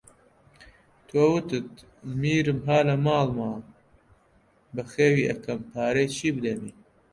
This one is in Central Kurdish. تۆ، وتت: میرم ها لە ماڵما بەخێوی ئەکەم پارەی چی بدەمێ؟